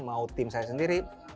mau tim saya sendiri